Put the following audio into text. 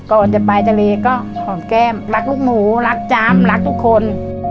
ก่อนจะไปทะเลก็หอมแก้มรักลูกหมูรักจำรักทุกคน